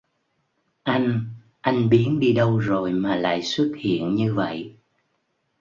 anh anh biến đi đâu rồi mà lại xuất hiện như vậy